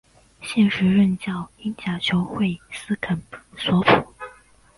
现时任教英甲球会斯肯索普。